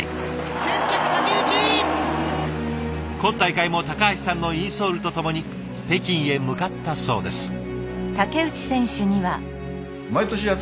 今大会も橋さんのインソールとともに北京へ向かったそうです。